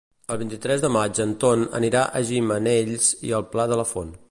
El vint-i-tres de maig en Ton anirà a Gimenells i el Pla de la Font.